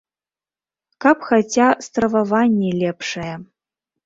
Каб хаця страваванне лепшае.